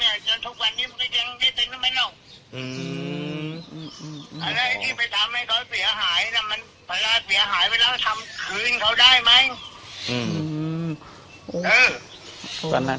อืมอะไรที่ไปทำให้เขาเปียหายมันเวลาเปียหายไปแล้วทำคืนเขาได้ไหม